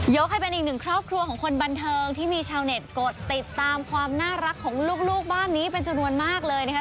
ให้เป็นอีกหนึ่งครอบครัวของคนบันเทิงที่มีชาวเน็ตกดติดตามความน่ารักของลูกบ้านนี้เป็นจำนวนมากเลยนะคะ